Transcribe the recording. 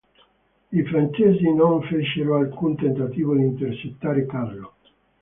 I francesi non fecero alcun tentativo di intercettare Carlo.